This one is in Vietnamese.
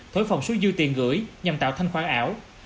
thổi phòng số dư tiền gửi nhằm tạo thanh khoản ảo